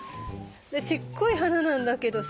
でちっこい花なんだけどさ。